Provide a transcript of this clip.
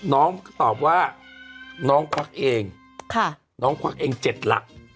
น้องก็ตอบว่าน้องควักเองน้องควักเอง๗หลัก